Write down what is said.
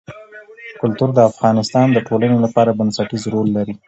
کلتور د افغانستان د ټولنې لپاره بنسټيز رول لري.